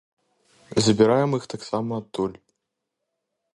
Забіраем іх таксама адтуль.